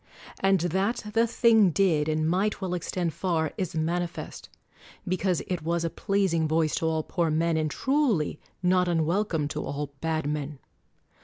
And that the thing did and might well extend far is manifest; because it was a pleasing voice to all poor men, and truly not unwelcome to all bad men.